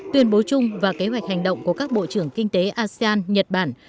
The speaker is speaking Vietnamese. tuyên bố chung và kế hoạch hành động của các bộ trưởng kinh tế asean nhật bản